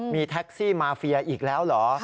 มีแท็กซี่มาเฟียอีกแล้วเหรอ